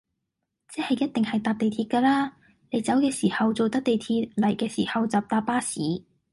即係一定係搭地鐵㗎啦，你走嘅時候做得地鐵，嚟嘅時候就搭巴士